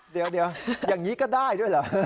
เดี๋ยวอย่างนี้ก็ได้ด้วยเหรอ